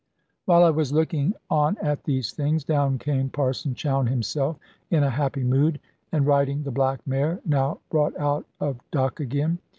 While I was looking on at these things, down came Parson Chowne himself, in a happy mood, and riding the black mare, now brought out of dock again.